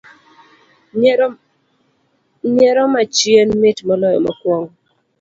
Nyiero ma chien mit moloyo mokuongo